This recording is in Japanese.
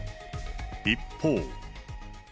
一方。